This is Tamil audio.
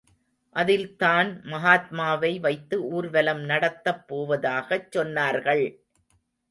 அதில்தான் மகாத்மாவை வைத்து ஊர்வலம் நடத்தப்போவதாகச் சொன்னார்கள்.